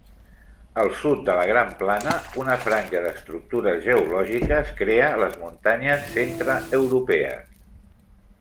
Al sud de la gran plana, una franja d'estructures geològiques crea les muntanyes centreeuropees.